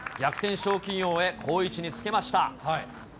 賞金王へ好位置につけました。